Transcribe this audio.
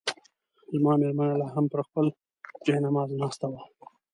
زما مېرمنه لا هم پر خپل جاینماز ناسته وه.